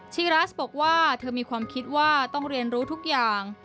ีรัสบอกว่าเธอมีความคิดว่าต้องเรียนรู้ทุกอย่าง